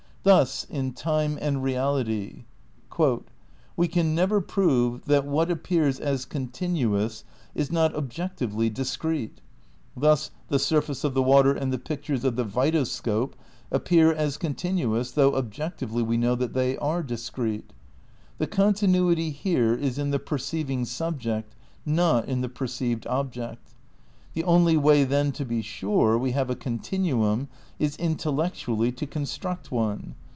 Thus in Time and Reality: "We ean never prove ... that what appears as continuous is not objectively discrete. Thus the surface of the water and the pictures of the vitoseope appear as continuous, though objectively we know that they are discrete. The continuity here is in the per ceiving subject, not in the perceived object. ... The only way then to be sure we have a continuum is intellectually to construct one.